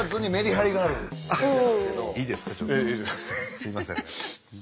すいません。